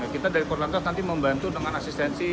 kita dari kuala lantas nanti membantu dengan asistensi